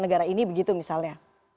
negara ini begitu misalnya